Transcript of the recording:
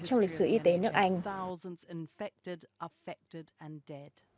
trong lịch sử y tế nước anh